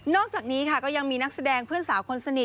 อกจากนี้ค่ะก็ยังมีนักแสดงเพื่อนสาวคนสนิท